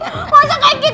kaki duduk aja di sini